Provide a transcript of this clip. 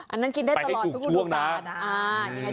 อันนั้นคิดได้ตลอดทุกฤดูกาล